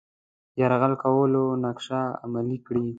یرغل کولو نقشه عملي کړي.